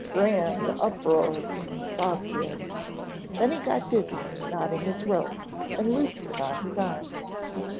"Grand uproar," Bob grinned. Then he got busy knotting his rope, and looped it on his arm.